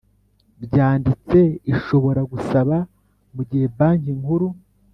ryanditseishobora gusaba mu gihe Banki Nkuru